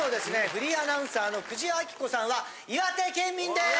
フリーアナウンサーの久慈暁子さんは岩手県民です！